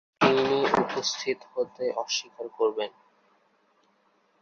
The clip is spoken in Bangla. তিনি উপস্থিত হতে অস্বীকার করবেন।